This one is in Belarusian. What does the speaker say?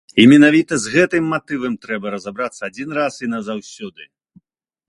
І менавіта з гэтым матывам трэба разабрацца адзін раз і назаўсёды.